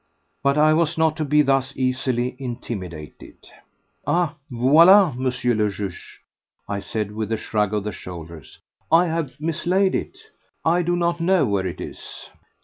But I was not to be thus easily intimidated. "Ah! voilà, M. le Juge," I said with a shrug of the shoulders. "I have mislaid it. I do not know where it is."